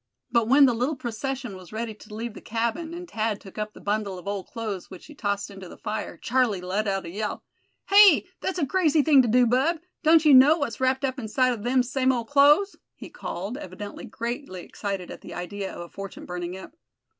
But when the little procession was ready to leave the cabin, and Thad took up the bundle of old clothes, which he tossed into the fire, Charlie let out a yell. "Hey! thet's a crazy thing to do, bub; don't you know what's wrapped up inside them same ole clothes?" he called, evidently greatly excited at the idea of a fortune burning up.